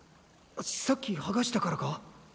さっきはがしたからか？